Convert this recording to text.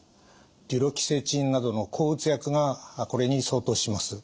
デュロキセチンなどの抗うつ薬がこれに相当します。